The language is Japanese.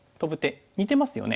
似てますよね。